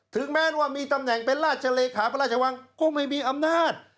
ถึงแม้ว่ามีตำแหน่งเป็นราชเลขาพระราชวังก็ไม่มีอำนาจ